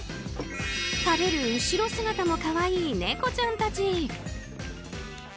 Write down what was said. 食べる後ろ姿も可愛いネコちゃんたち。